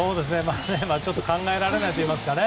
ちょっと考えられないといいますか。